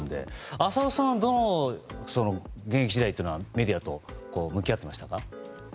浅尾さんは現役時代はどうメディアと向き合っていました？